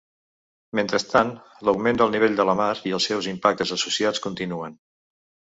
Mentrestant, l’augment del nivell de la mar i els seus impactes associats continuen.